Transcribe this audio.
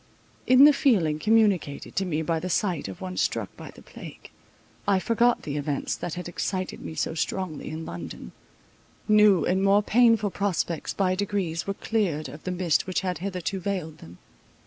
In the feeling communicated to me by the sight of one struck by the plague, I forgot the events that had excited me so strongly in London; new and more painful prospects, by degrees were cleared of the mist which had hitherto veiled them.